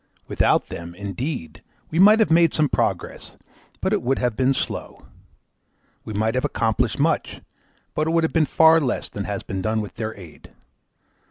Without them, indeed, we might have made some progress, but it would have been slow; we might have accomplished much, but it would have been far less than has been done with their aid.